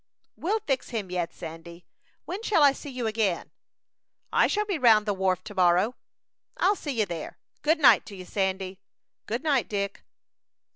"We'll fix him yet, Sandy. When shall I see you again?" "I shall be round the wharf to morrow." "I'll see you there. Good night to you, Sandy." "Good night, Dick."